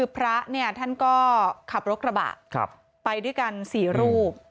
พระท่านก็ขับรถกระบะไปด้วยกัน๔รูป